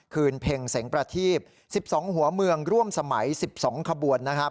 คืนเพลงเสียงประทีบสิบสองหัวเมืองร่วมสมัยสิบสองขบวนนะฮะ